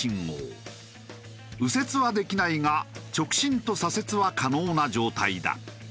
右折はできないが直進と左折は可能な状態だ。